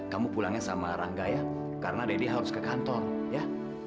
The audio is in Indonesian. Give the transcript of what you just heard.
kamu pulangnya sama rangga ya karena deddy harus ke kantor ya